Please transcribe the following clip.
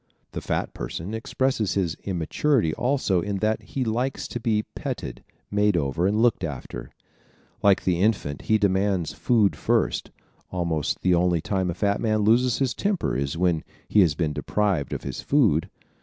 The fat person expresses his immaturity also in that he likes to be petted, made over and looked after. ¶ Like the infant he demands food first. Almost the only time a fat man loses his temper is when he has been deprived of his food.